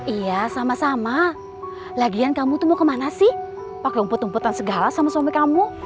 iya sama sama lagian kamu tuh mau kemana sih pakai rumput rumputan segala sama suami kamu